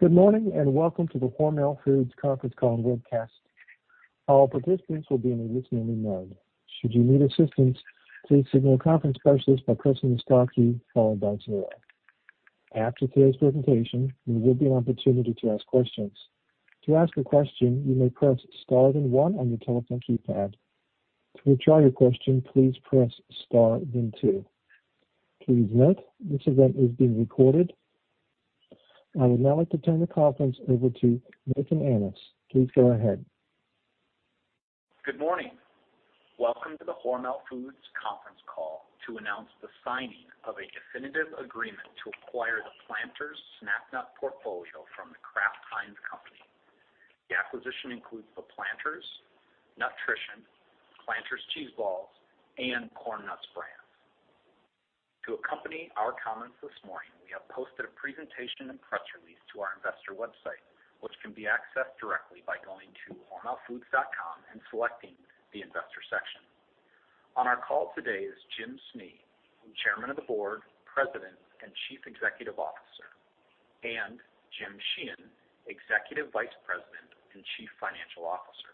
Good morning and welcome to the Hormel Foods conference call and webcast. All participants will be in a listening mode. Should you need assistance, please signal Conference Specialist by pressing the star key followed by zero. After today's presentation, there will be an opportunity to ask questions. To ask a question, you may press star then one on your telephone keypad. To withdraw your question, please press star then two. Please note, this event is being recorded. I would now like to turn the conference over to Nathan Annis. Please go ahead. Good morning. Welcome to the Hormel Foods conference call to announce the signing of a definitive agreement to acquire the PLANTERS Snack Nut Portfolio from the Kraft Heinz Company. The acquisition includes the PLANTERS NUT-RITION, PLANTERS Cheez Balls, and Corn Nuts brands. To accompany our comments this morning, we have posted a presentation and press release to our investor website, which can be accessed directly by going to hormelfoods.com and selecting the investor section. On our call today is Jim Snee, Chairman of the Board, President, and Chief Executive Officer, and Jim Sheehan, Executive Vice President and Chief Financial Officer.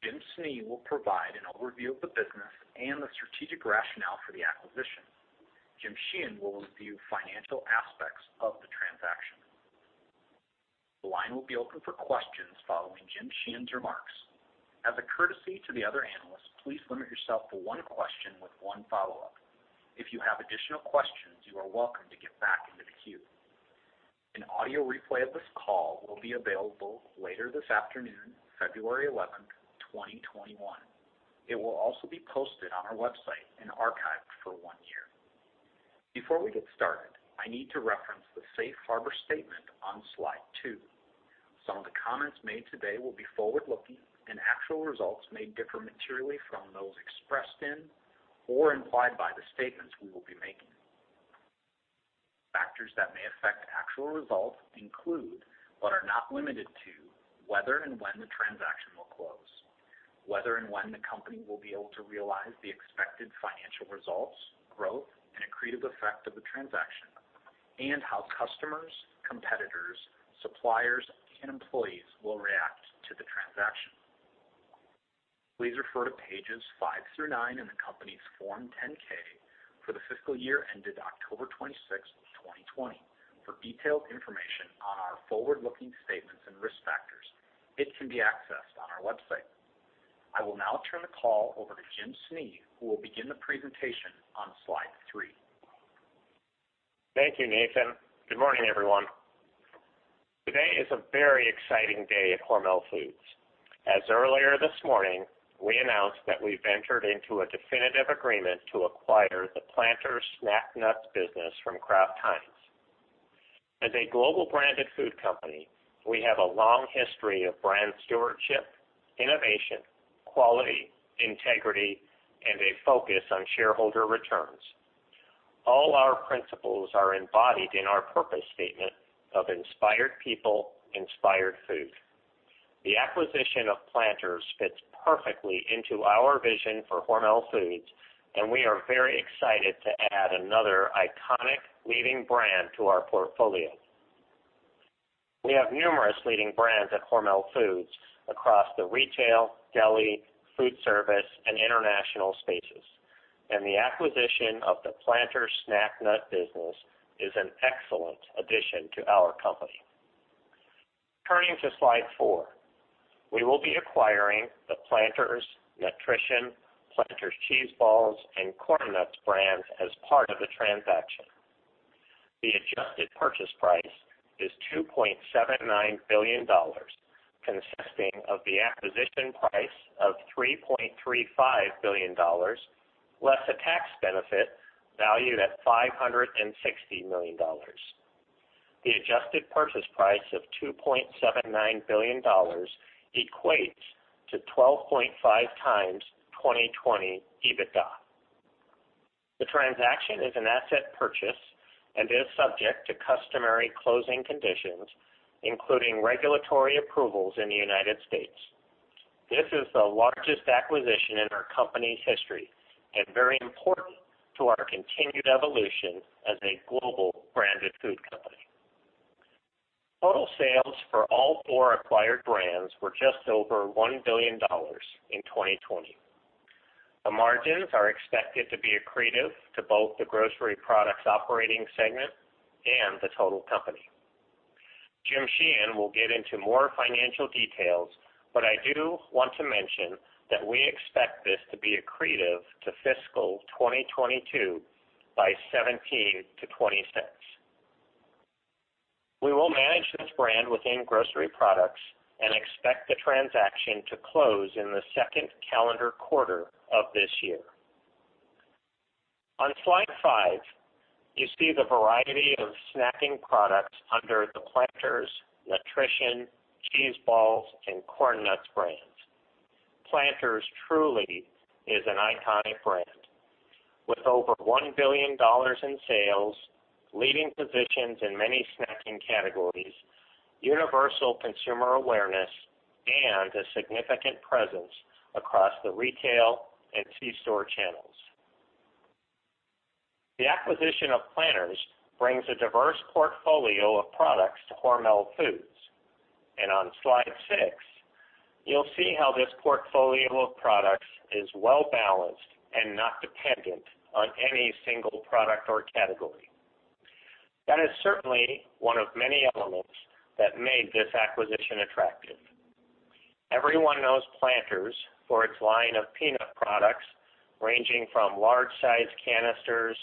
Jim Snee will provide an overview of the business and the strategic rationale for the acquisition. Jim Sheehan will review financial aspects of the transaction. The line will be open for questions following Jim Sheehan's remarks. As a courtesy to the other analysts, please limit yourself to one question with one follow-up. If you have additional questions, you are welcome to get back into the queue. An audio replay of this call will be available later this afternoon, February 11, 2021. It will also be posted on our website and archived for one year. Before we get started, I need to reference the safe harbor statement on slide two. Some of the comments made today will be forward-looking, and actual results may differ materially from those expressed in or implied by the statements we will be making. Factors that may affect actual results include, but are not limited to, whether and when the transaction will close, whether and when the company will be able to realize the expected financial results, growth, and accretive effect of the transaction, and how customers, competitors, suppliers, and employees will react to the transaction. Please refer to pages five through nine in the company's Form 10-K for the fiscal year ended October 26, 2020. For detailed information on our forward-looking statements and risk factors, it can be accessed on our website. I will now turn the call over to Jim Snee, who will begin the presentation on slide three. Thank you, Nathan. Good morning, everyone. Today is a very exciting day at Hormel Foods. As earlier this morning, we announced that we've entered into a definitive agreement to acquire the PLANTERS Snack Nuts business from Kraft Heinz. As a global branded food company, we have a long history of brand stewardship, innovation, quality, integrity, and a focus on shareholder returns. All our principles are embodied in our purpose statement of inspired people, inspired food. The acquisition of PLANTERS fits perfectly into our vision for Hormel Foods, and we are very excited to add another iconic leading brand to our portfolio. We have numerous leading brands at Hormel Foods across the retail, deli, food service, and international spaces, and the acquisition of the PLANTERS Snack Nut business is an excellent addition to our company. Turning to slide four, we will be acquiring the PLANTERS NUT-RITION, PLANTERS Cheez Balls, and Corn Nuts brands as part of the transaction. The adjusted purchase price is $2.79 billion, consisting of the acquisition price of $3.35 billion less a tax benefit valued at $560 million. The adjusted purchase price of $2.79 billion equates to 12.5x 2020 EBITDA. The transaction is an asset purchase and is subject to customary closing conditions, including regulatory approvals in the United States. This is the largest acquisition in our company's history and very important to our continued evolution as a global branded food company. Total sales for all four acquired brands were just over $1 billion in 2020. The margins are expected to be accretive to both the grocery products operating segment and the total company. Jim Sheehan will get into more financial details, but I do want to mention that we expect this to be accretive to fiscal 2022 by $0.17-$0.20. We will manage this brand within grocery products and expect the transaction to close in the second calendar quarter of this year. On slide five, you see the variety of snacking products under the PLANTERS, NUT-RITION, Cheez Balls, and Corn Nuts brands. PLANTERS truly is an iconic brand with over $1 billion in sales, leading positions in many snacking categories, universal consumer awareness, and a significant presence across the retail and C-store channels. The acquisition of PLANTERS brings a diverse portfolio of products to Hormel Foods, and on slide six, you'll see how this portfolio of products is well-balanced and not dependent on any single product or category. That is certainly one of many elements that made this acquisition attractive. Everyone knows PLANTERS for its line of peanut products ranging from large-sized canisters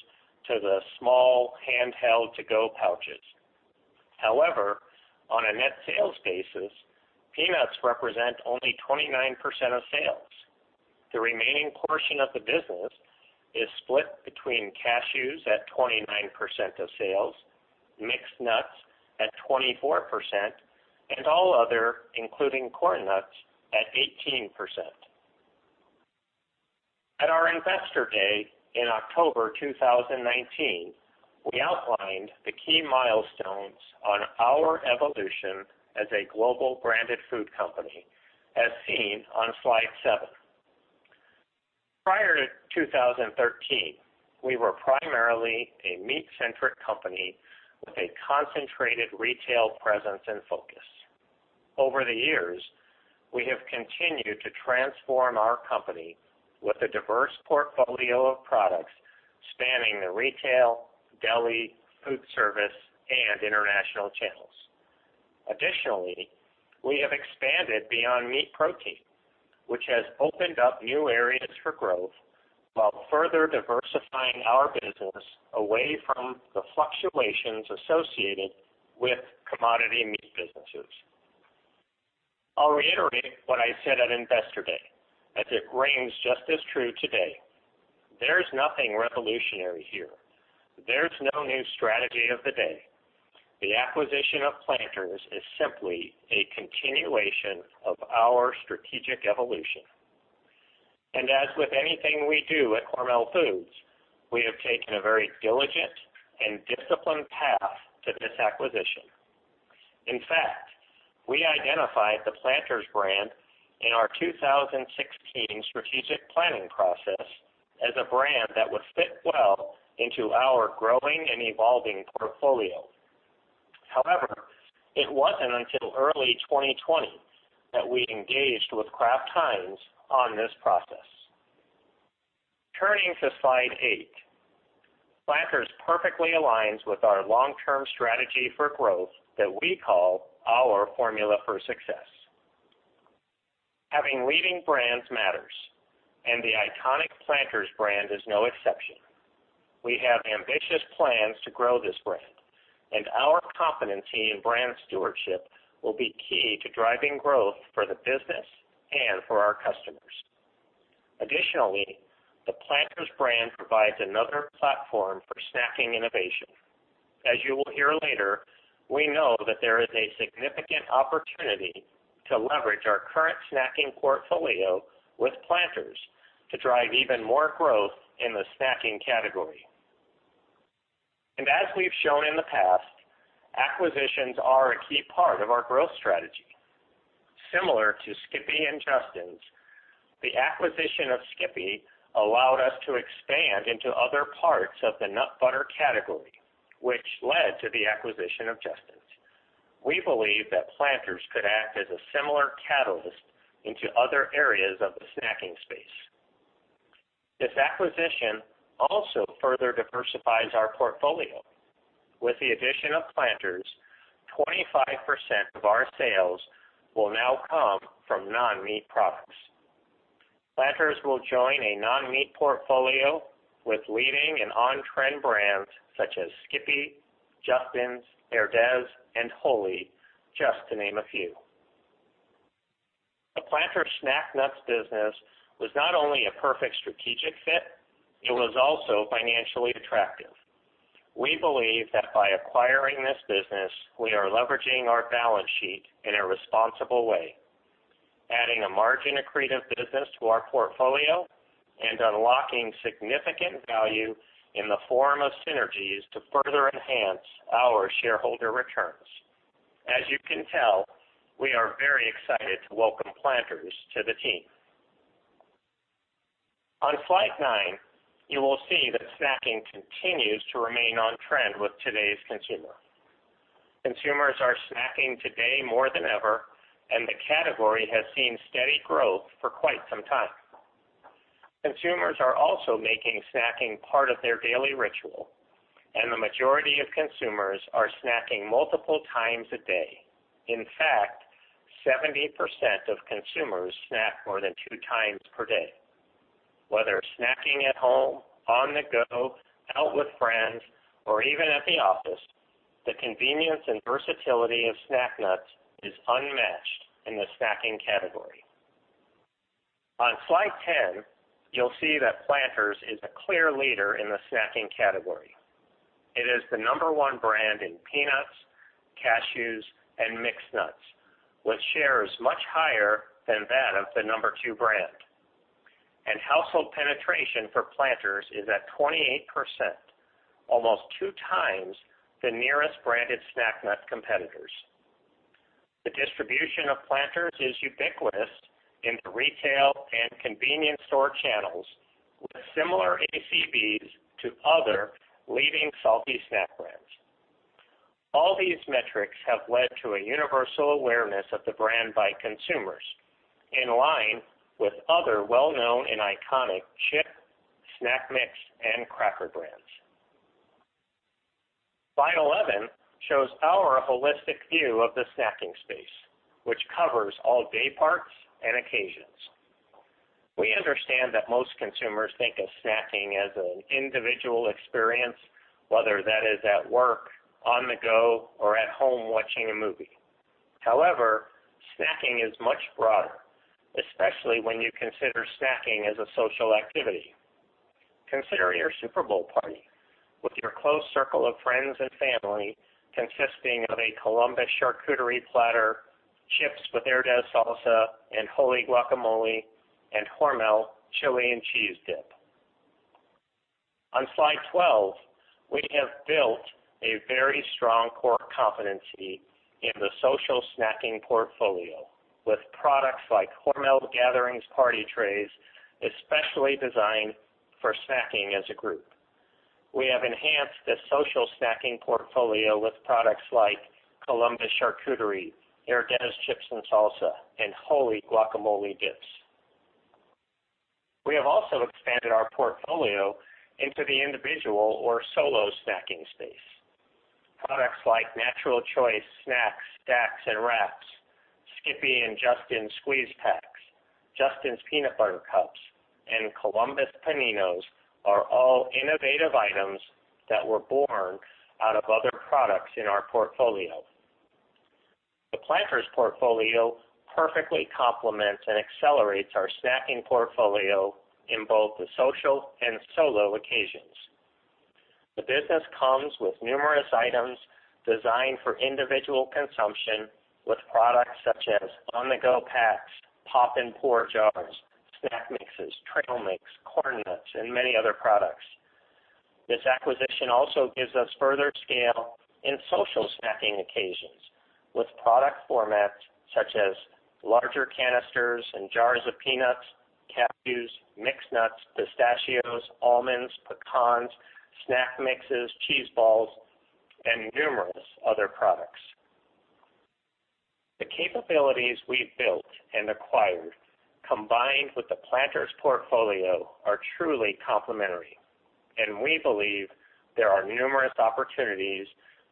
to the small handheld to-go pouches. However, on a net sales basis, peanuts represent only 29% of sales. The remaining portion of the business is split between cashews at 29% of sales, mixed nuts at 24%, and all other, including Corn Nuts, at 18%. At our investor day in October 2019, we outlined the key milestones on our evolution as a global branded food company, as seen on slide seven. Prior to 2013, we were primarily a meat-centric company with a concentrated retail presence and focus. Over the years, we have continued to transform our company with a diverse portfolio of products spanning the retail, deli, food service, and international channels. Additionally, we have expanded beyond meat protein, which has opened up new areas for growth while further diversifying our business away from the fluctuations associated with commodity meat businesses. I'll reiterate what I said at investor day, as it rings just as true today. There's nothing revolutionary here. There's no new strategy of the day. The acquisition of PLANTERS is simply a continuation of our strategic evolution. As with anything we do at Hormel Foods, we have taken a very diligent and disciplined path to this acquisition. In fact, we identified the PLANTERS brand in our 2016 strategic planning process as a brand that would fit well into our growing and evolving portfolio. However, it wasn't until early 2020 that we engaged with Kraft Heinz on this process. Turning to slide eight, PLANTERS perfectly aligns with our long-term strategy for growth that we call our formula for success. Having leading brands matters, and the iconic PLANTERS brand is no exception. We have ambitious plans to grow this brand, and our competency in brand stewardship will be key to driving growth for the business and for our customers. Additionally, the PLANTERS brand provides another platform for snacking innovation. As you will hear later, we know that there is a significant opportunity to leverage our current snacking portfolio with PLANTERS to drive even more growth in the snacking category. As we have shown in the past, acquisitions are a key part of our growth strategy. Similar to Skippy and Justin's, the acquisition of Skippy allowed us to expand into other parts of the nut butter category, which led to the acquisition of Justin's. We believe that PLANTERS could act as a similar catalyst into other areas of the snacking space. This acquisition also further diversifies our portfolio. With the addition of PLANTERS, 25% of our sales will now come from non-meat products. PLANTERS will join a non-meat portfolio with leading and on-trend brands such as Skippy, Justin's, Herdez, and Wholly, just to name a few. The PLANTERS Snack Nuts business was not only a perfect strategic fit, it was also financially attractive. We believe that by acquiring this business, we are leveraging our balance sheet in a responsible way, adding a margin-accretive business to our portfolio, and unlocking significant value in the form of synergies to further enhance our shareholder returns. As you can tell, we are very excited to welcome PLANTERS to the team. On slide nine, you will see that snacking continues to remain on-trend with today's consumer. Consumers are snacking today more than ever, and the category has seen steady growth for quite some time. Consumers are also making snacking part of their daily ritual, and the majority of consumers are snacking multiple times a day. In fact, 70% of consumers snack more than two times per day. Whether snacking at home, on the go, out with friends, or even at the office, the convenience and versatility of snack nuts is unmatched in the snacking category. On slide ten, you'll see that PLANTERS is a clear leader in the snacking category. It is the number one brand in peanuts, cashews, and mixed nuts, with shares much higher than that of the number two brand. Household penetration for PLANTERS is at 28%, almost two times the nearest branded snack nut competitors. The distribution of PLANTERS is ubiquitous in the retail and convenience store channels with similar ACVs to other leading salty snack brands. All these metrics have led to a universal awareness of the brand by consumers in line with other well-known and iconic chip, snack mix, and cracker brands. Slide 11 shows our holistic view of the snacking space, which covers all day parts and occasions. We understand that most consumers think of snacking as an individual experience, whether that is at work, on the go, or at home watching a movie. However, snacking is much broader, especially when you consider snacking as a social activity. Consider your Super Bowl party with your close circle of friends and family consisting of a Columbus charcuterie platter, chips with Herdez salsa, and Wholly guacamole, and Hormel chili and cheese dip. On slide 12, we have built a very strong core competency in the social snacking portfolio with products like Hormel gatherings party trays, especially designed for snacking as a group. We have enhanced the social snacking portfolio with products like Columbus charcuterie, Herdez chips and salsa, and Wholly guacamole dips. We have also expanded our portfolio into the individual or solo snacking space. Products like Natural Choice snacks, stacks, and wraps, Skippy and Justin's squeeze packs, Justin's peanut butter cups, and Columbus paninos are all innovative items that were born out of other products in our portfolio. The PLANTERS portfolio perfectly complements and accelerates our snacking portfolio in both the social and solo occasions. The business comes with numerous items designed for individual consumption with products such as on-the-go packs, pop-and-pour jars, snack mixes, trail mix, Corn Nuts, and many other products. This acquisition also gives us further scale in social snacking occasions with product formats such as larger canisters and jars of peanuts, cashews, mixed nuts, pistachios, almonds, pecans, snack mixes, cheese balls, and numerous other products. The capabilities we have built and acquired combined with the PLANTERS portfolio are truly complementary, and we believe there are numerous opportunities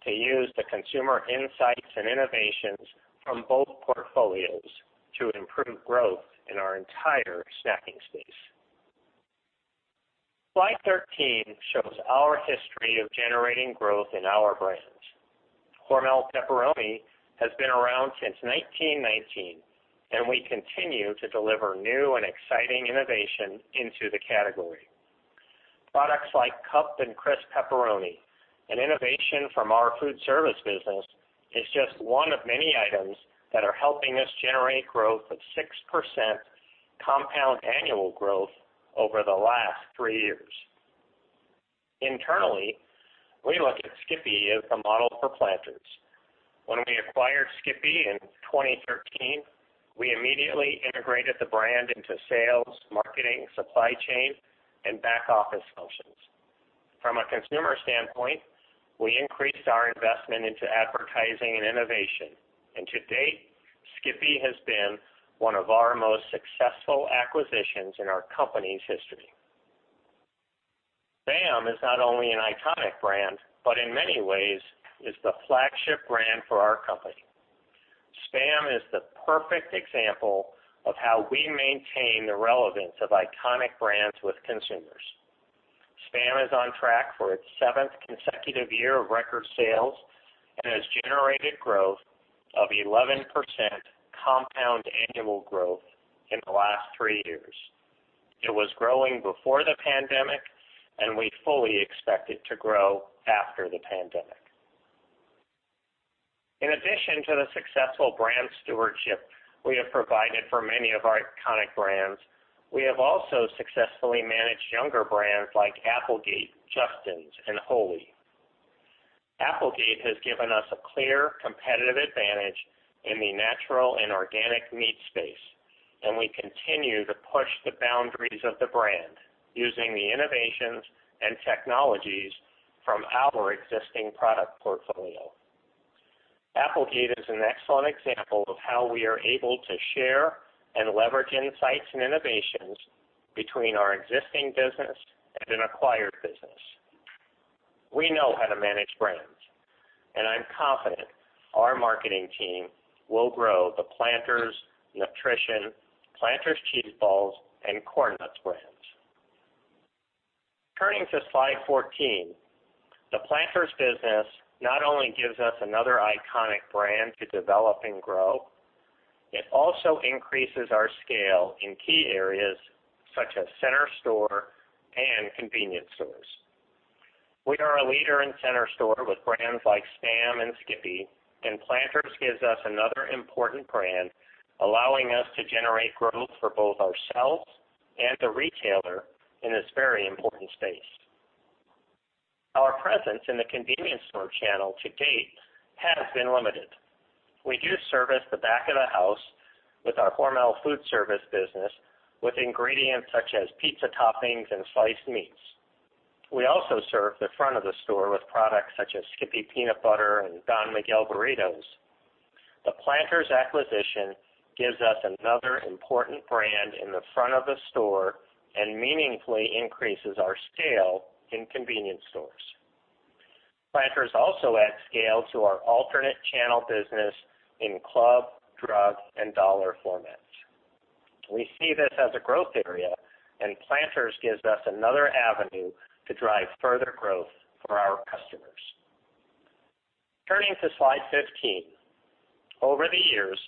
to use the consumer insights and innovations from both portfolios to improve growth in our entire snacking space. Slide 13 shows our history of generating growth in our brands. Hormel Pepperoni has been around since 1919, and we continue to deliver new and exciting innovation into the category. Products like cup and crisp pepperoni, an innovation from our food service business, is just one of many items that are helping us generate growth of 6% compound annual growth over the last three years. Internally, we look at Skippy as the model for PLANTERS. When we acquired Skippy in 2013, we immediately integrated the brand into sales, marketing, supply chain, and back office functions. From a consumer standpoint, we increased our investment into advertising and innovation, and to date, Skippy has been one of our most successful acquisitions in our company's history. Spam is not only an iconic brand, but in many ways is the flagship brand for our company. Spam is the perfect example of how we maintain the relevance of iconic brands with consumers. Spam is on track for its seventh consecutive year of record sales and has generated growth of 11% compound annual growth in the last three years. It was growing before the pandemic, and we fully expect it to grow after the pandemic. In addition to the successful brand stewardship we have provided for many of our iconic brands, we have also successfully managed younger brands like Applegate, Justin's, and Wholly. Applegate has given us a clear competitive advantage in the natural and organic meat space, and we continue to push the boundaries of the brand using the innovations and technologies from our existing product portfolio. Applegate is an excellent example of how we are able to share and leverage insights and innovations between our existing business and an acquired business. We know how to manage brands, and I'm confident our marketing team will grow the PLANTERS NUT-RITION, PLANTERS Cheez Balls, and Corn Nuts brands. Turning to slide 14, the PLANTERS business not only gives us another iconic brand to develop and grow, it also increases our scale in key areas such as center store and convenience stores. We are a leader in center store with brands like Spam and Skippy, and PLANTERS gives us another important brand, allowing us to generate growth for both ourselves and the retailer in this very important space. Our presence in the convenience store channel to date has been limited. We do service the back of the house with our Hormel food service business with ingredients such as pizza toppings and sliced meats. We also serve the front of the store with products such as Skippy peanut butter and Don Miguel burritos. The PLANTERS acquisition gives us another important brand in the front of the store and meaningfully increases our scale in convenience stores. PLANTERS also adds scale to our alternate channel business in club, drug, and dollar formats. We see this as a growth area, and PLANTERS gives us another avenue to drive further growth for our customers. Turning to slide 15, over the years,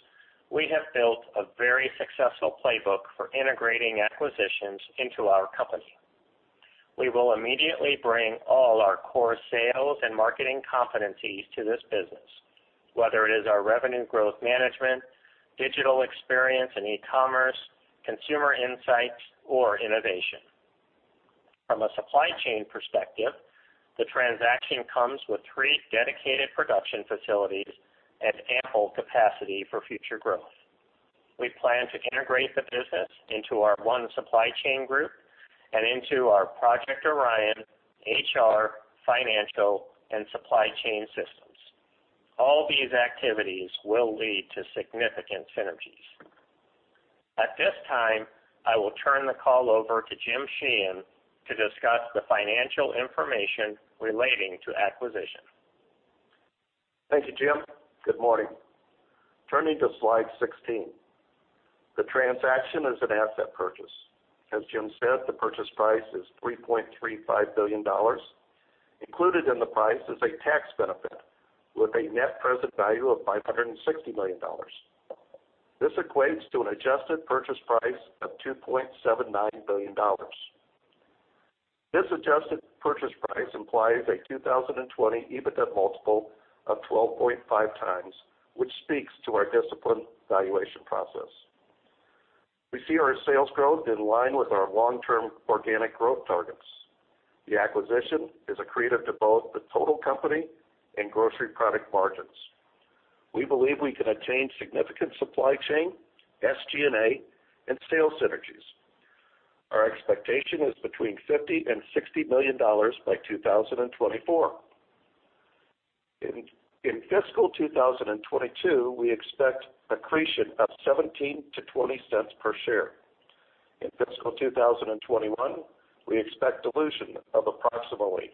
we have built a very successful playbook for integrating acquisitions into our company. We will immediately bring all our core sales and marketing competencies to this business, whether it is our revenue growth management, digital experience and e-commerce, consumer insights, or innovation. From a supply chain perspective, the transaction comes with three dedicated production facilities and ample capacity for future growth. We plan to integrate the business into our one supply chain group and into our Project Orion HR, financial, and supply chain systems. All these activities will lead to significant synergies. At this time, I will turn the call over to Jim Sheehan to discuss the financial information relating to acquisition. Thank you, Jim. Good morning. Turning to slide 16, the transaction is an asset purchase. As Jim said, the purchase price is $3.35 billion. Included in the price is a tax benefit with a net present value of $560 million. This equates to an adjusted purchase price of $2.79 billion. This adjusted purchase price implies a 2020 EBITDA multiple of 12.5x, which speaks to our discipline valuation process. We see our sales growth in line with our long-term organic growth targets. The acquisition is accretive to both the total company and grocery product margins. We believe we can attain significant supply chain, SG&A, and sales synergies. Our expectation is between $50 million and $60 million by 2024. In fiscal 2022, we expect accretion of Wholly cents per share. In fiscal 2021, we expect dilution of approximately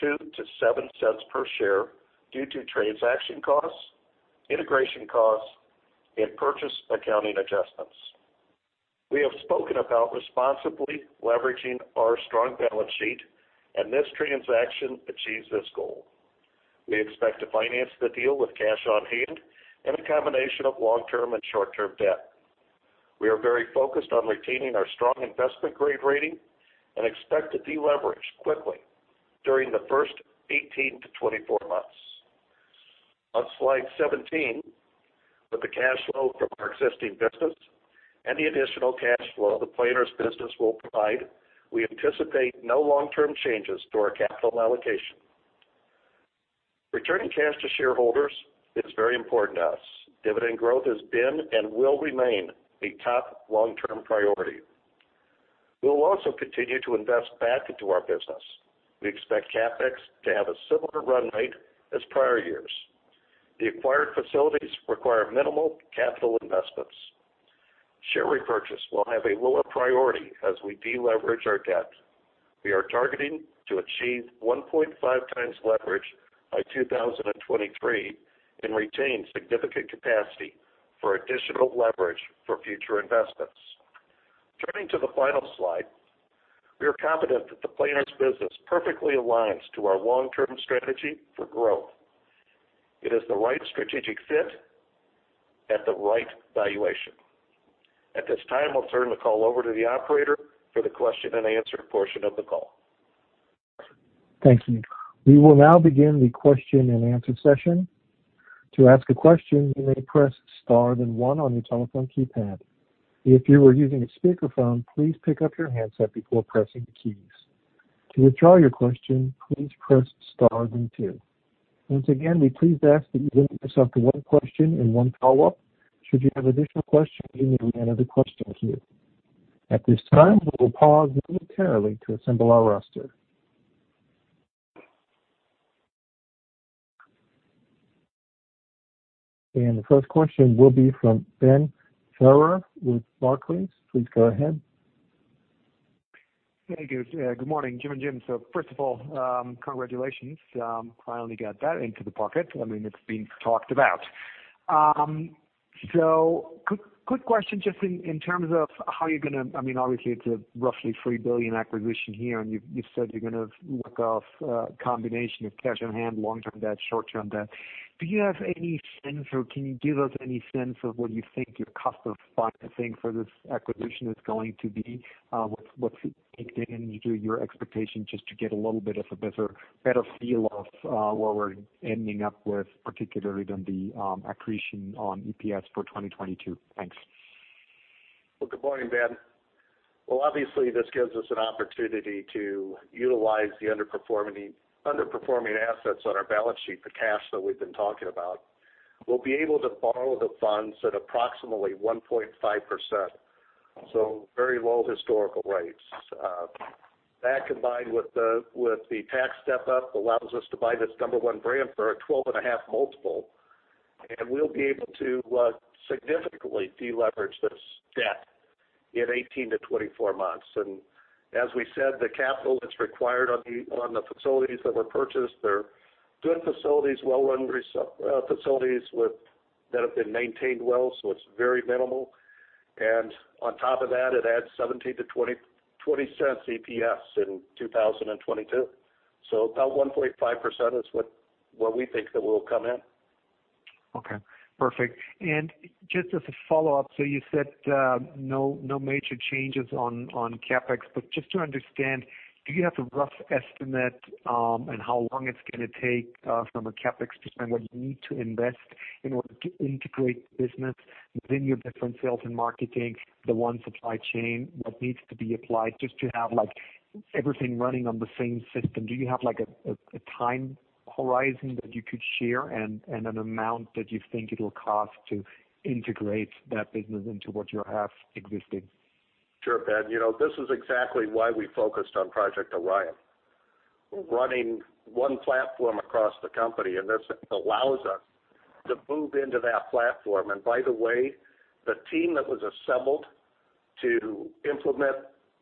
2-7 cents per share due to transaction costs, integration costs, and purchase accounting adjustments. We have spoken about responsibly leveraging our strong balance sheet, and this transaction achieves this goal. We expect to finance the deal with cash on hand and a combination of long-term and short-term debt. We are very focused on retaining our strong investment grade rating and expect to deleverage quickly during the first 18 to 24 months. On slide 17, with the cash flow from our existing business and the additional cash flow the PLANTERS business will provide, we anticipate no long-term changes to our capital allocation. Returning cash to shareholders is very important to us. Dividend growth has been and will remain a top long-term priority. We will also continue to invest back into our business. We expect CapEx to have a similar run rate as prior years. The acquired facilities require minimal capital investments. Share repurchase will have a lower priority as we deleverage our debt. We are targeting to achieve 1.5x leverage by 2023 and retain significant capacity for additional leverage for future investments. Turning to the final slide, we are confident that the PLANTERS business perfectly aligns to our long-term strategy for growth. It is the right strategic fit at the right valuation. At this time, I'll turn the call over to the operator for the question and answer portion of the call. Thank you. We will now begin the question and answer session. To ask a question, you may press star then one on your telephone keypad. If you are using a speakerphone, please pick up your handset before pressing the keys. To withdraw your question, please press star then two. Once again, we please ask that you limit yourself to one question and one follow-up. Should you have additional questions, you may re-enter the question queue. At this time, we will pause momentarily to assemble our roster. The first question will be from Ben Farrar with Barclays. Please go ahead. Thank you. Good morning, Jim and Jim. First of all, congratulations. Finally got that into the pocket. I mean, it's been talked about. Quick question just in terms of how you're going to, I mean, obviously it's a roughly $3 billion acquisition here, and you've said you're going to work off a combination of cash on hand, long-term debt, short-term debt. Do you have any sense or can you give us any sense of what you think your cost of financing for this acquisition is going to be? What's taking into your expectation just to get a little bit of a better feel of where we're ending up with, particularly then the accretion on EPS for 2022? Thanks. Good morning, Ben. This gives us an opportunity to utilize the underperforming assets on our balance sheet, the cash that we've been talking about. We'll be able to borrow the funds at approximately 1.5%, very low historical rates. That combined with the tax step-up allows us to buy this number one brand for a 12.5 multiple, and we'll be able to significantly deleverage this debt in 18-24 months. As we said, the capital that's required on the facilities that were purchased are good facilities, well-run facilities that have been maintained well, so it's very minimal. On top of that, it adds $0.17-$0.20 cents EPS in 2022. About 1.5% is what we think that will come in. Okay. Perfect. Just as a follow-up, you said no major changes on CapEx, but just to understand, do you have a rough estimate on how long it's going to take from a CapEx standpoint, what you need to invest in order to integrate the business within your different sales and marketing, the one supply chain, what needs to be applied just to have everything running on the same system? Do you have a time horizon that you could share and an amount that you think it will cost to integrate that business into what you have existing? Sure, Ben. This is exactly why we focused on Project Orion. Running one platform across the company, and this allows us to move into that platform. By the way, the team that was assembled to implement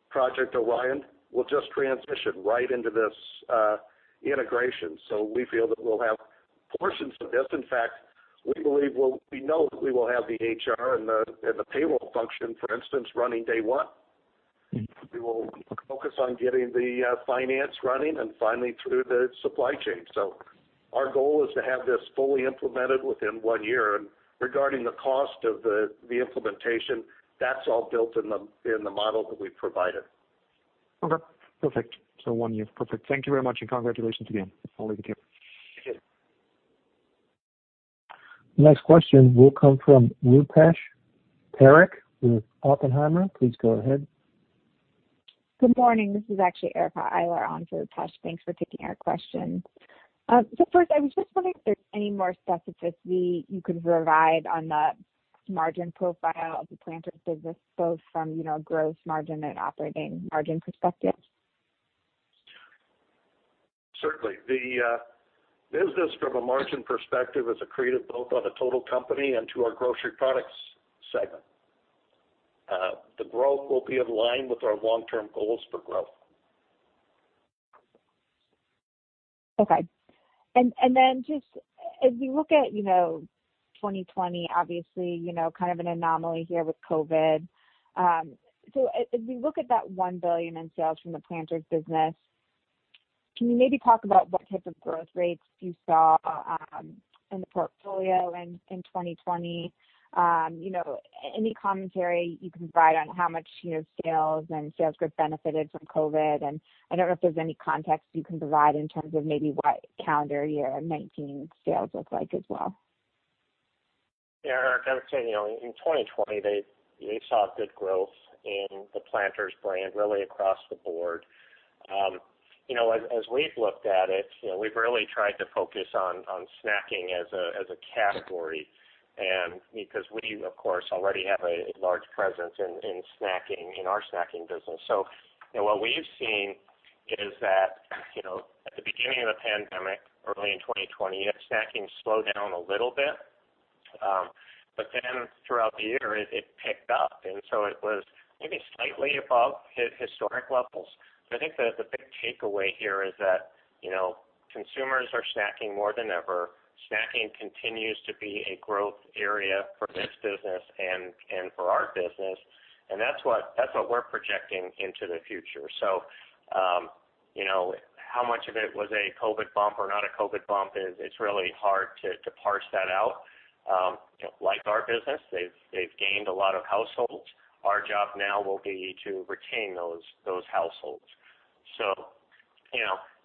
Project Orion will just transition right into this integration. We feel that we'll have portions of this. In fact, we know that we will have the HR and the payroll function, for instance, running day one. We will focus on getting the finance running and finally through the supply chain. Our goal is to have this fully implemented within one year. Regarding the cost of the implementation, that's all built in the model that we've provided. Okay. Perfect. One year. Perfect. Thank you very much and congratulations again. It's all we could do. Thank you. Next question will come from Rupesh Parikh with Oppenheimer. Please go ahead. Good morning. This is actually Erica Eiler, on for Rupesh. Thanks for taking our questions. First, I was just wondering if there's any more specifics you could provide on the margin profile of the PLANTERS business, both from a gross margin and operating margin perspective. Certainly. The business from a margin perspective is accretive both on the total company and to our grocery products segment. The growth will be in line with our long-term goals for growth. Okay. Just as we look at 2020, obviously kind of an anomaly here with COVID. As we look at that $1 billion in sales from the PLANTERS business, can you maybe talk about what type of growth rates you saw in the portfolio in 2020? Any commentary you can provide on how much sales and sales growth benefited from COVID? I do not know if there is any context you can provide in terms of maybe what calendar year 2019 sales look like as well. Yeah, Erica, I would say in 2020, they saw good growth in the PLANTERS brand, really across the board. As we've looked at it, we've really tried to focus on snacking as a category because we, of course, already have a large presence in our snacking business. What we've seen is that at the beginning of the pandemic, early in 2020, snacking slowed down a little bit. Then throughout the year, it picked up. It was maybe slightly above historic levels. I think the big takeaway here is that consumers are snacking more than ever. Snacking continues to be a growth area for this business and for our business. That's what we're projecting into the future. How much of it was a COVID bump or not a COVID bump, it's really hard to parse that out. Like our business, they've gained a lot of households. Our job now will be to retain those households.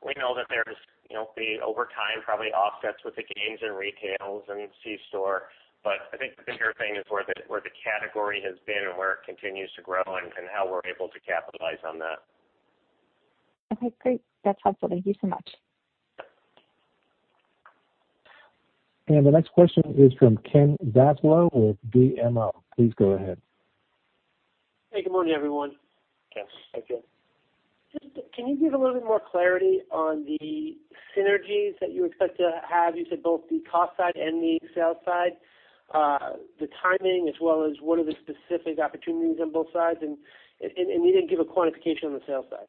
We know that there's over time probably offsets with the gains in retail and C-store. I think the bigger thing is where the category has been and where it continues to grow and how we're able to capitalize on that. Okay. Great. That's helpful. Thank you so much. The next question is from Ken Zaslow with BMO. Please go ahead. Hey, good morning, everyone. Yes. Hi, Jim. Just can you give a little bit more clarity on the synergies that you expect to have? You said both the cost side and the sales side, the timing as well as what are the specific opportunities on both sides. You didn't give a quantification on the sales side.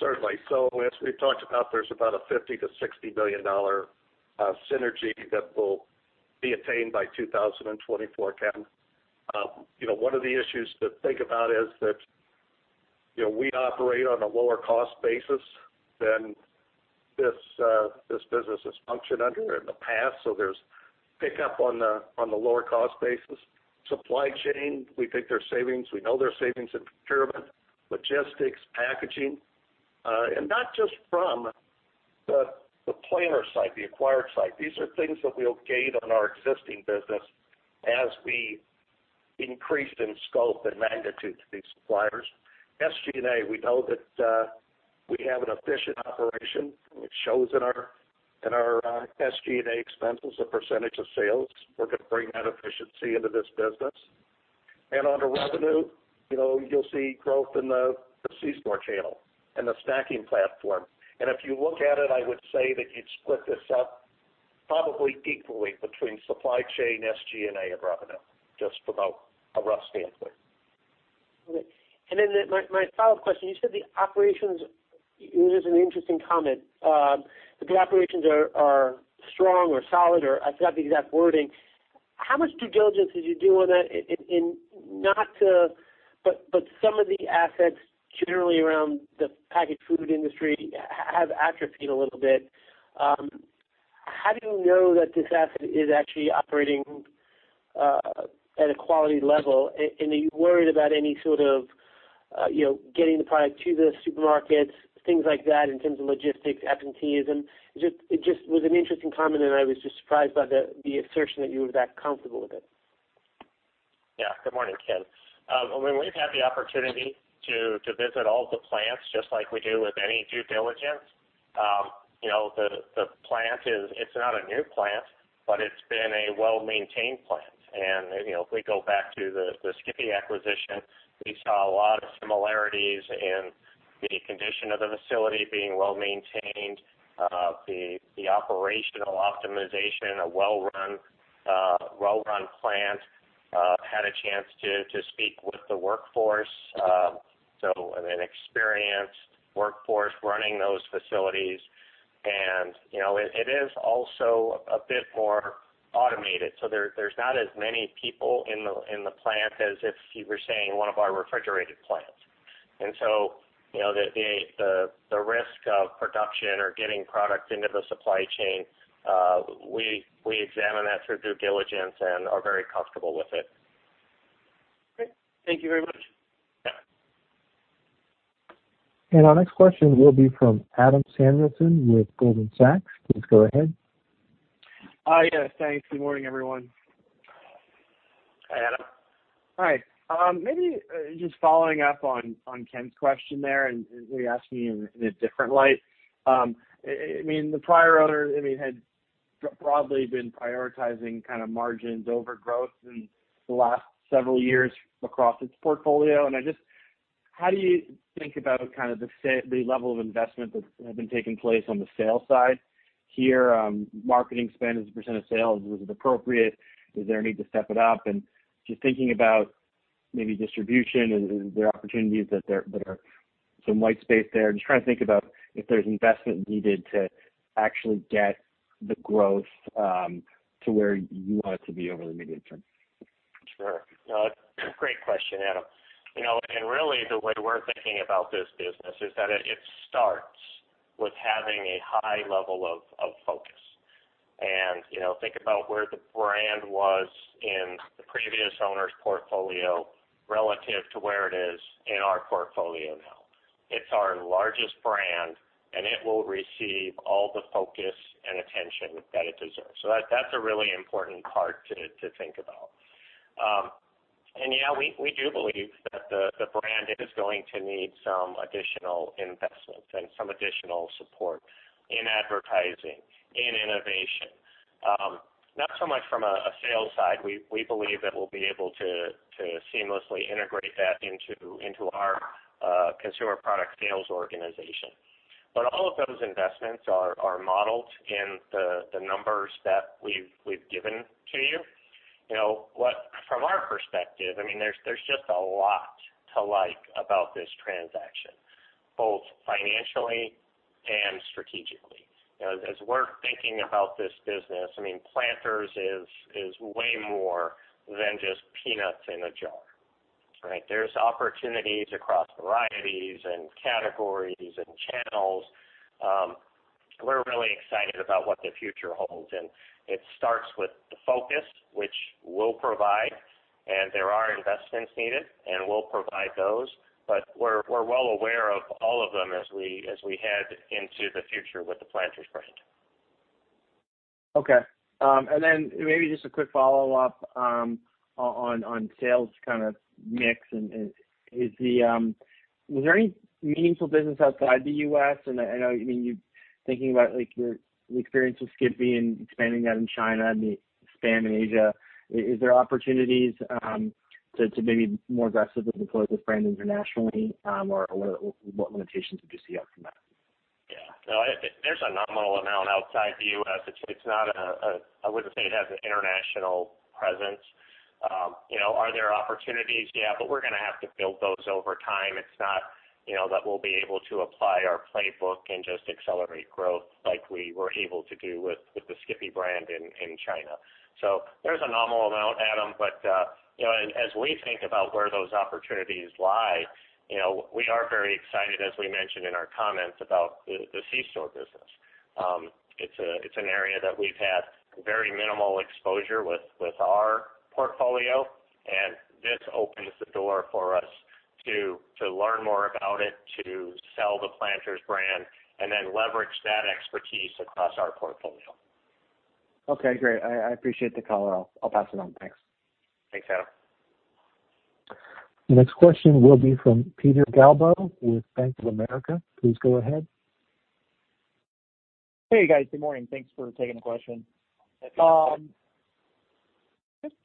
Certainly. As we've talked about, there's about a $50 million-$60 million synergy that will be attained by 2024, Ken. One of the issues to think about is that we operate on a lower cost basis than this business has functioned under in the past. There is pickup on the lower cost basis. Supply chain, we think there is savings. We know there is savings in procurement, logistics, packaging. Not just from the PLANTERS side, the acquired side. These are things that we will gain on our existing business as we increase in scope and magnitude to these suppliers. SG&A, we know that we have an efficient operation. It shows in our SG&A expenses as a percentage of sales. We are going to bring that efficiency into this business. On the revenue, you will see growth in the C-store channel and the snacking platform. If you look at it, I would say that you would split this up probably equally between supply chain, SG&A, and revenue, just from a rough standpoint. Then my follow-up question, you said the operations—it was an interesting comment—that the operations are strong or solid, or I forgot the exact wording. How much due diligence did you do on that? Some of the assets generally around the packaged food industry have atrophied a little bit. How do you know that this asset is actually operating at a quality level? Are you worried about any sort of getting the product to the supermarkets, things like that in terms of logistics, absenteeism? It just was an interesting comment, and I was just surprised by the assertion that you were that comfortable with it. Yeah. Good morning, Ken. I mean, we've had the opportunity to visit all the plants just like we do with any due diligence. The plant, it's not a new plant, but it's been a well-maintained plant. If we go back to the Skippy acquisition, we saw a lot of similarities in the condition of the facility being well-maintained, the operational optimization, a well-run plant. Had a chance to speak with the workforce, so an experienced workforce running those facilities. It is also a bit more automated. There are not as many people in the plant as if you were saying one of our refrigerated plants. The risk of production or getting product into the supply chain, we examine that through due diligence and are very comfortable with it. Great. Thank you very much. Our next question will be from Adam Samuelson with Goldman Sachs. Please go ahead. Hi, yes. Thanks. Good morning, everyone. Hi, Adam. Hi. Maybe just following up on Ken's question there, and he asked me in a different light. I mean, the prior owner had broadly been prioritizing kind of margins over growth in the last several years across its portfolio. I just—how do you think about kind of the level of investment that has been taking place on the sales side here? Marketing spend is a percent of sales. Is it appropriate? Is there a need to step it up? Just thinking about maybe distribution, is there opportunities that are some white space there? Just trying to think about if there's investment needed to actually get the growth to where you want it to be over the medium term. Sure. Great question, Adam. Really, the way we're thinking about this business is that it starts with having a high level of focus. Think about where the brand was in the previous owner's portfolio relative to where it is in our portfolio now. It's our largest brand, and it will receive all the focus and attention that it deserves. That is a really important part to think about. Yeah, we do believe that the brand is going to need some additional investment and some additional support in advertising, in innovation. Not so much from a sales side. We believe that we'll be able to seamlessly integrate that into our consumer product sales organization. All of those investments are modeled in the numbers that we've given to you. From our perspective, I mean, there's just a lot to like about this transaction, both financially and strategically. As we're thinking about this business, I mean, PLANTERS is way more than just peanuts in a jar. There are opportunities across varieties and categories and channels. We're really excited about what the future holds. It starts with the focus, which we'll provide. There are investments needed, and we'll provide those. We're well aware of all of them as we head into the future with the PLANTERS brand. Okay. Maybe just a quick follow-up on sales kind of mix. Was there any meaningful business outside the U.S.? I know you're thinking about your experience with Skippy and expanding that in China and Spain and Asia. Is there opportunities to maybe more aggressively deploy this brand internationally, or what limitations would you see out from that? Yeah. There's a nominal amount outside the U.S. I wouldn't say it has an international presence. Are there opportunities? Yeah, but we're going to have to build those over time. It's not that we'll be able to apply our playbook and just accelerate growth like we were able to do with the Skippy brand in China. There's a nominal amount, Adam. As we think about where those opportunities lie, we are very excited, as we mentioned in our comments about the C-store business. It's an area that we've had very minimal exposure with our portfolio. This opens the door for us to learn more about it, to sell the PLANTERS brand, and then leverage that expertise across our portfolio. Okay. Great. I appreciate the call. I'll pass it on. Thanks. Thanks, Adam. The next question will be from Peter Galbo with Bank of America. Please go ahead. Hey, guys. Good morning. Thanks for taking the question.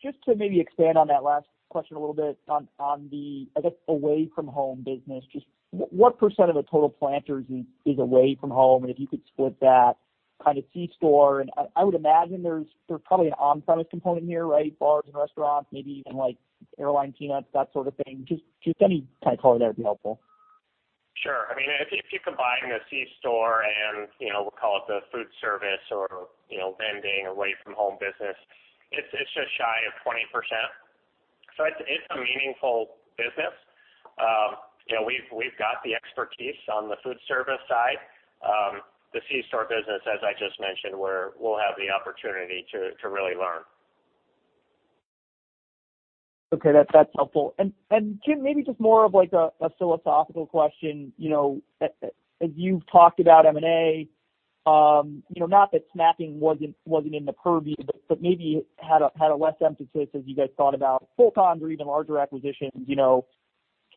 Just to maybe expand on that last question a little bit on the, I guess, away-from-home business, just what percent of the total PLANTERS is away from home? If you could split that, kind of C-store. I would imagine there's probably an on-premise component here, right? Bars and restaurants, maybe even airline peanuts, that sort of thing. Just any kind of color there would be helpful. Sure. I mean, if you combine the C-store and we'll call it the food service or vending away-from-home business, it's just shy of 20%. So it's a meaningful business. We've got the expertise on the food service side. The C-store business, as I just mentioned, we'll have the opportunity to really learn. Okay. That's helpful. Jim, maybe just more of a philosophical question. As you've talked about M&A, not that snacking wasn't in the purview, but maybe had less emphasis as you guys thought about full-time or even larger acquisitions,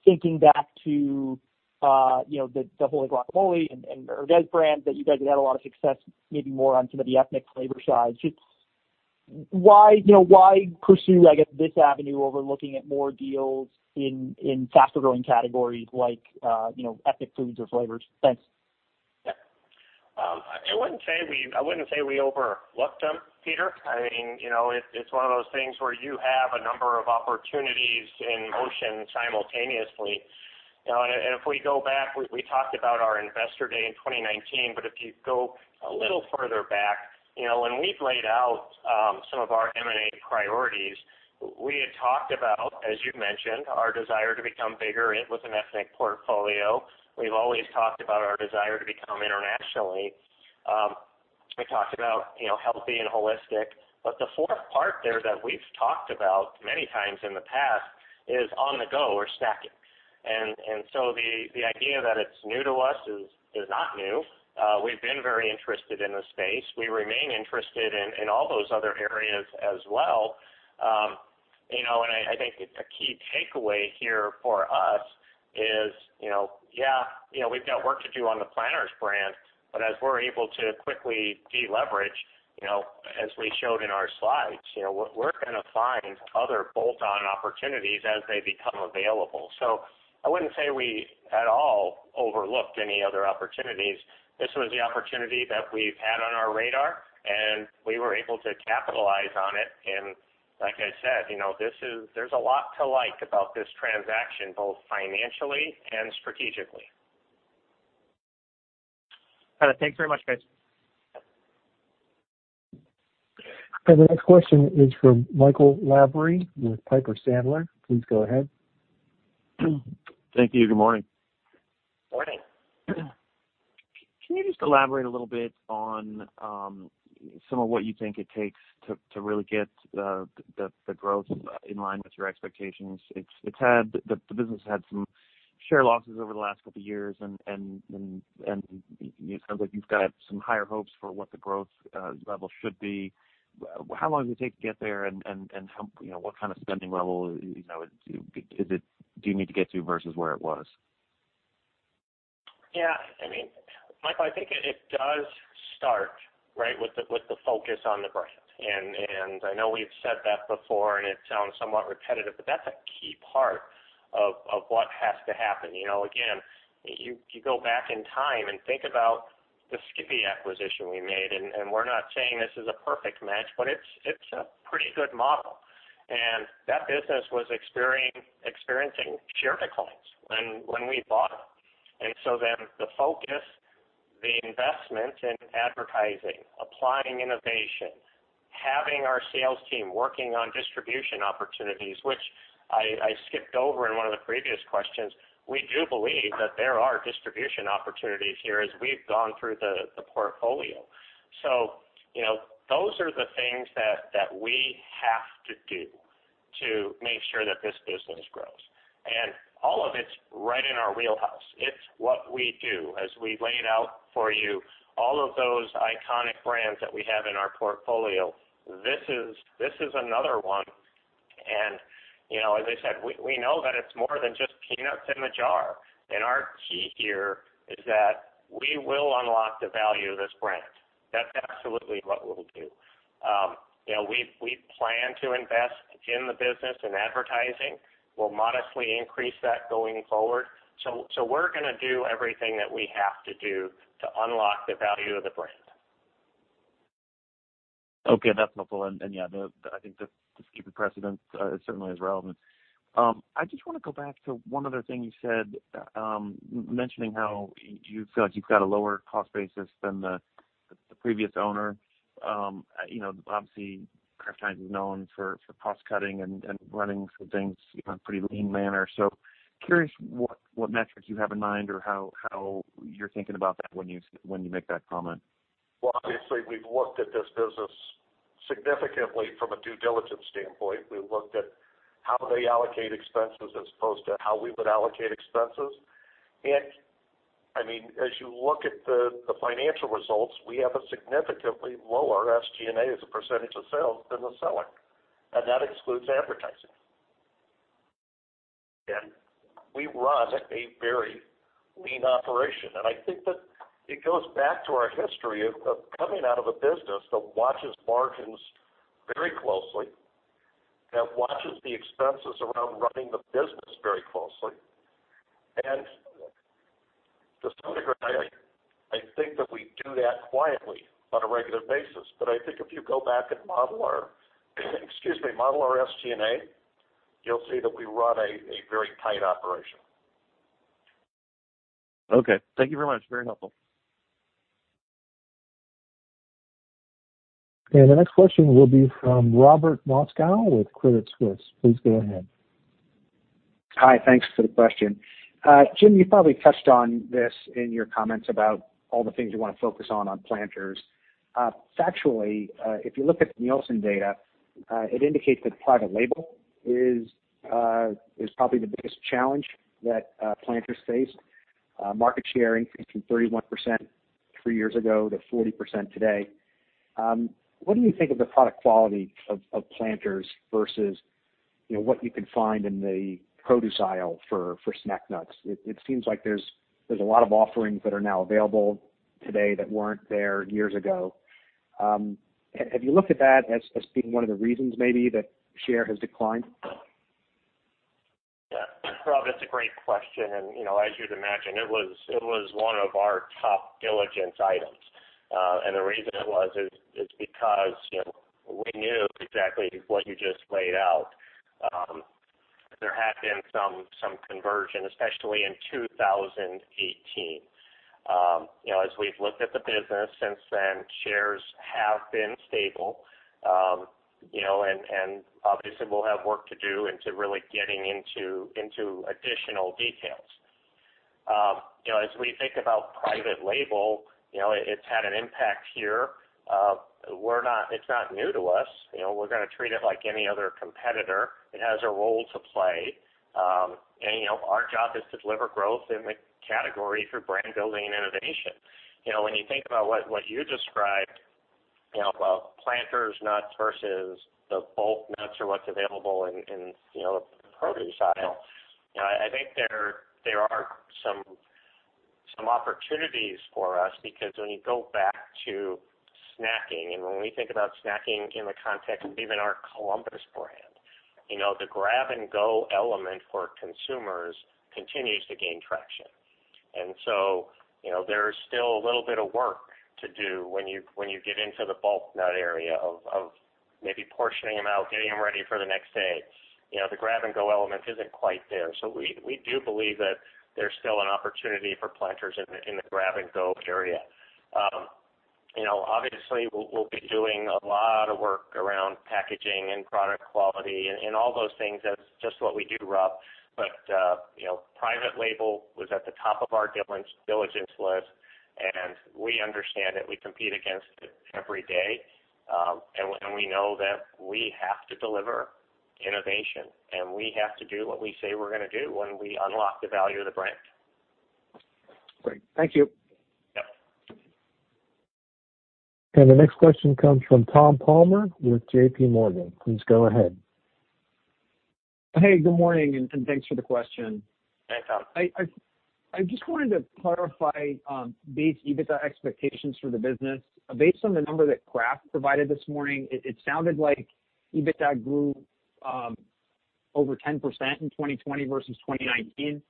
thinking back to the Wholly and Herdez brands that you guys had had a lot of success maybe more on some of the ethnic flavor sides. Just why pursue, I guess, this avenue over looking at more deals in faster-growing categories like ethnic foods or flavors? Thanks. Yeah. I would not say we overlooked them, Peter. I mean, it is one of those things where you have a number of opportunities in motion simultaneously. If we go back, we talked about our investor day in 2019. If you go a little further back, when we have laid out some of our M&A priorities, we had talked about, as you mentioned, our desire to become bigger with an ethnic portfolio. We have always talked about our desire to become internationally. We talked about healthy and holistic. The fourth part there that we have talked about many times in the past is on the go or snacking. The idea that it is new to us is not new. We have been very interested in the space. We remain interested in all those other areas as well. I think a key takeaway here for us is, yeah, we've got work to do on the PLANTERS brand. As we're able to quickly deleverage, as we showed in our slides, we're going to find other bolt-on opportunities as they become available. I wouldn't say we at all overlooked any other opportunities. This was the opportunity that we've had on our radar, and we were able to capitalize on it. Like I said, there's a lot to like about this transaction, both financially and strategically. Thanks very much, guys. The next question is from Michael Lavery with Piper Sandler. Please go ahead. Thank you. Good morning. Morning. Can you just elaborate a little bit on some of what you think it takes to really get the growth in line with your expectations? The business has had some share losses over the last couple of years, and it sounds like you've got some higher hopes for what the growth level should be. How long does it take to get there, and what kind of spending level do you need to get to versus where it was? Yeah. I mean, Michael, I think it does start, right, with the focus on the brand. I know we've said that before, and it sounds somewhat repetitive, but that's a key part of what has to happen. Again, you go back in time and think about the Skippy acquisition we made. We're not saying this is a perfect match, but it's a pretty good model. That business was experiencing share declines when we bought it. The focus, the investment in advertising, applying innovation, having our sales team working on distribution opportunities, which I skipped over in one of the previous questions, we do believe that there are distribution opportunities here as we've gone through the portfolio. Those are the things that we have to do to make sure that this business grows. All of it's right in our wheelhouse. It's what we do. As we laid out for you, all of those iconic brands that we have in our portfolio, this is another one. As I said, we know that it's more than just peanuts in a jar. Our key here is that we will unlock the value of this brand. That's absolutely what we'll do. We plan to invest in the business and advertising. We'll modestly increase that going forward. We're going to do everything that we have to do to unlock the value of the brand. Okay. That's helpful. Yeah, I think the Skippy precedent certainly is relevant. I just want to go back to one other thing you said, mentioning how you feel like you've got a lower cost basis than the previous owner. Obviously, Kraft Heinz is known for cost-cutting and running some things in a pretty lean manner. Curious what metrics you have in mind or how you're thinking about that when you make that comment. Obviously, we've looked at this business significantly from a due diligence standpoint. We looked at how they allocate expenses as opposed to how we would allocate expenses. I mean, as you look at the financial results, we have a significantly lower SG&A as a percentage of sales than the seller. That excludes advertising. We run a very lean operation. I think that it goes back to our history of coming out of a business that watches margins very closely, that watches the expenses around running the business very closely. To some degree, I think that we do that quietly on a regular basis. I think if you go back and model our, excuse me, model our SG&A, you'll see that we run a very tight operation. Okay. Thank you very much. Very helpful. The next question will be from Robert Moskow with Credit Suisse. Please go ahead. Hi. Thanks for the question. Jim, you probably touched on this in your comments about all the things you want to focus on on PLANTERS. Factually, if you look at the Nielsen data, it indicates that private label is probably the biggest challenge that PLANTERS face. Market share increased from 31% three years ago to 40% today. What do you think of the product quality of PLANTERS versus what you can find in the produce aisle for snack nuts? It seems like there's a lot of offerings that are now available today that weren't there years ago. Have you looked at that as being one of the reasons maybe that share has declined? Yeah. Rob, that's a great question. As you'd imagine, it was one of our top diligence items. The reason it was is because we knew exactly what you just laid out. There had been some conversion, especially in 2018. As we've looked at the business since then, shares have been stable. Obviously, we'll have work to do into really getting into additional details. As we think about private label, it's had an impact here. It's not new to us. We're going to treat it like any other competitor. It has a role to play. Our job is to deliver growth in the category through brand building and innovation. When you think about what you described about PLANTERS, nuts versus the bulk nuts or what's available in the produce aisle, I think there are some opportunities for us because when you go back to snacking, and when we think about snacking in the context of even our Columbus brand, the grab-and-go element for consumers continues to gain traction. There is still a little bit of work to do when you get into the bulk nut area of maybe portioning them out, getting them ready for the next day. The grab-and-go element isn't quite there. We do believe that there's still an opportunity for PLANTERS in the grab-and-go area. Obviously, we'll be doing a lot of work around packaging and product quality and all those things as just what we do, Rob. Private label was at the top of our diligence list, and we understand that we compete against it every day. We know that we have to deliver innovation, and we have to do what we say we're going to do when we unlock the value of the brand. Great. Thank you. Yep. The next question comes from Tom Palmer with JPMorgan. Please go ahead. Hey, good morning, and thanks for the question. Thanks, Tom. I just wanted to clarify based on EBITDA expectations for the business. Based on the number that Kraft provided this morning, it sounded like EBITDA grew over 10% in 2020 versus 2019.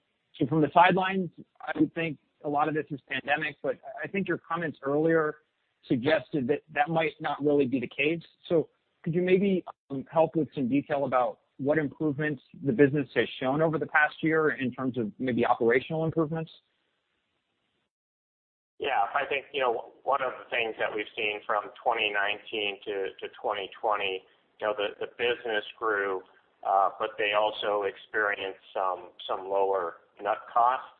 From the sidelines, I would think a lot of this is pandemic, but I think your comments earlier suggested that that might not really be the case. Could you maybe help with some detail about what improvements the business has shown over the past year in terms of maybe operational improvements? Yeah. I think one of the things that we've seen from 2019 to 2020, the business grew, but they also experienced some lower nut costs.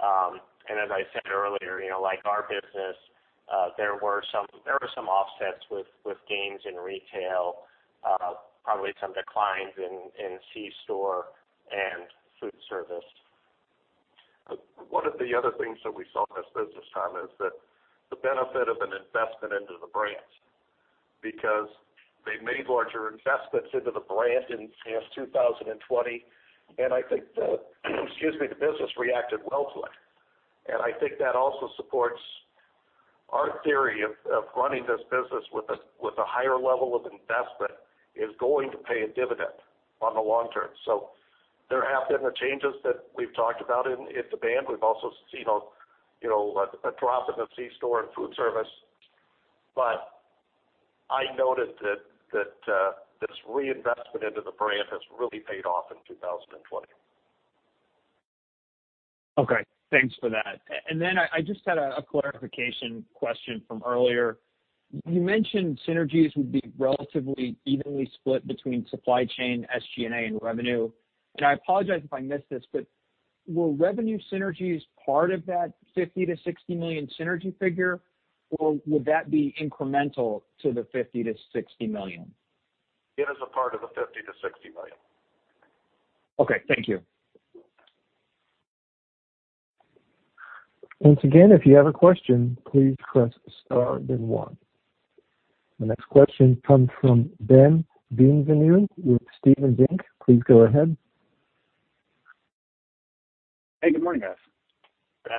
As I said earlier, like our business, there were some offsets with gains in retail, probably some declines in C-store and food service. One of the other things that we saw in this business, Tom, is the benefit of an investment into the brand because they made larger investments into the brand in 2020. I think the, excuse me, the business reacted well to it. I think that also supports our theory of running this business with a higher level of investment is going to pay a dividend on the long term. There have been the changes that we've talked about in demand. We've also seen a drop in the C-store and food service. I noted that this reinvestment into the brand has really paid off in 2020. Okay. Thanks for that. I just had a clarification question from earlier. You mentioned synergies would be relatively evenly split between supply chain, SG&A, and revenue. I apologize if I missed this, but were revenue synergies part of that $50 million-$60 million synergy figure, or would that be incremental to the $50 million-$60 million? It is a part of the $50 million-$60 million. Okay. Thank you. Once again, if you have a question, please press star then one. The next question comes from Ben Dean Vaneuille with Steven Zink. Please go ahead. Hey, good morning, guys. Good.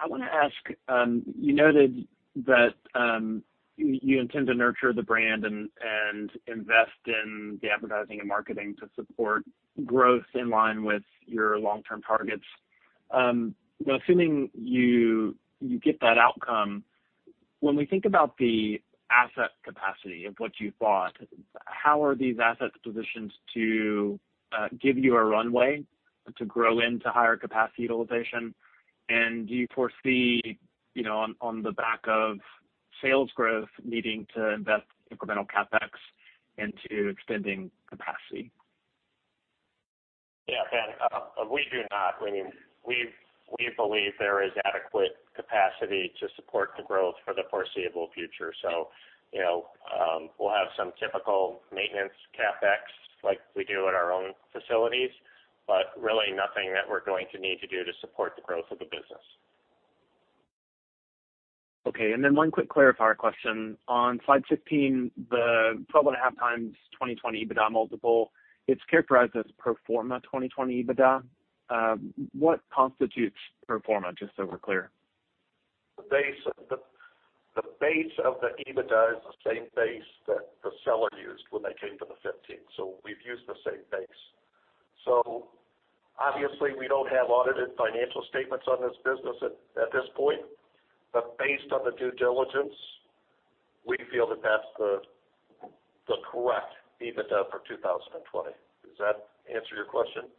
I want to ask, you noted that you intend to nurture the brand and invest in the advertising and marketing to support growth in line with your long-term targets. Assuming you get that outcome, when we think about the asset capacity of what you bought, how are these assets positioned to give you a runway to grow into higher capacity utilization? And do you foresee on the back of sales growth needing to invest incremental CapEx into extending capacity? Yeah, Ben, we do not. I mean, we believe there is adequate capacity to support the growth for the foreseeable future. We will have some typical maintenance CapEx like we do at our own facilities, but really nothing that we are going to need to do to support the growth of the business. Okay. And then one quick clarifier question. On slide 15, the 12.5x 2020 EBITDA multiple, it's characterized as proforma 2020 EBITDA. What constitutes proforma just so we're clear? The base of the EBITDA is the same base that the seller used when they came to the 15th. So we've used the same base. Obviously, we don't have audited financial statements on this business at this point. But based on the due diligence, we feel that that's the correct EBITDA for 2020. Does that answer your question?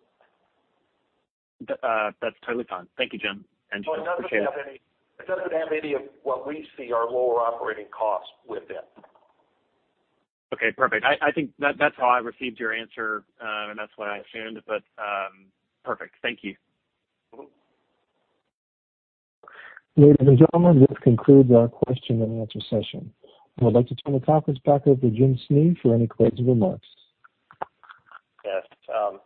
That's totally fine. Thank you, Jim. I appreciate it. It doesn't have any of what we see, our lower operating costs with it. Okay. Perfect. I think that's how I received your answer, and that's what I assumed. Perfect. Thank you. Ladies and gentlemen, this concludes our question and answer session. I would like to turn the conference back over to Jim Snee for any closing remarks. Yes.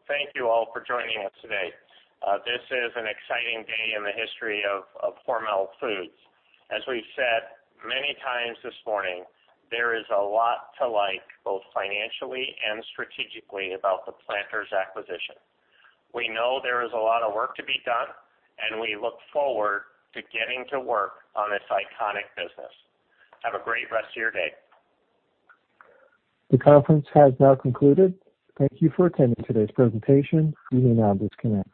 Thank you all for joining us today. This is an exciting day in the history of Hormel Foods. As we've said many times this morning, there is a lot to like both financially and strategically about the PLANTERS acquisition. We know there is a lot of work to be done, and we look forward to getting to work on this iconic business. Have a great rest of your day. The conference has now concluded. Thank you for attending today's presentation. You may now disconnect.